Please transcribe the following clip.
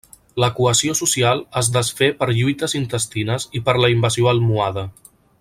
La cohesió social es desfé per lluites intestines i per la invasió almohade.